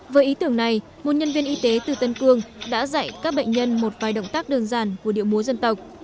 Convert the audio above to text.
với ý tưởng này một nhân viên y tế từ tân cương đã dạy các bệnh nhân một vài động tác đơn giản của điệu múa dân tộc